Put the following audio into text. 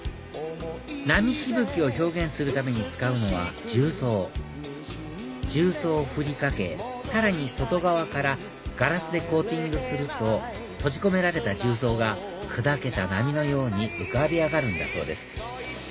波しぶきを表現するために使うのは重曹重曹をふりかけさらに外側からガラスでコーティングすると閉じ込められた重曹が砕けた波のように浮かび上がるんだそうです